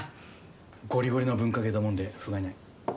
ゴリゴリの文化系だもんでふがいない。